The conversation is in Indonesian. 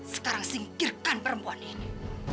sekarang singkirkan perempuan ini